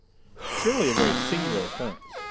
_ Surely a very singular incident?"